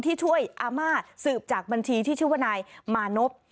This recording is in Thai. ที่ช่วยอาม่าสืบจากบัญชีที่ชื่อว่านายมานพ